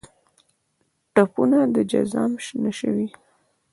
ټپونه د جزام شنه شوي